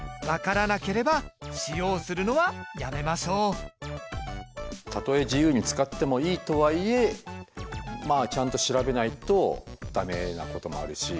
その上でたとえ自由に使ってもいいとはいえまあちゃんと調べないと駄目なこともあるし。